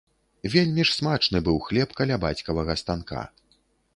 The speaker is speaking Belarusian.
Вельмі ж смачны быў хлеб каля бацькавага станка.